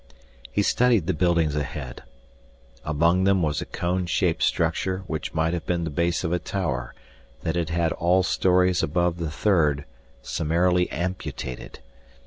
He studied the buildings ahead. Among them was a cone shaped structure which might have been the base of a tower that had had all stories above the third summarily amputated.